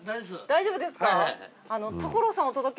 大丈夫ですか？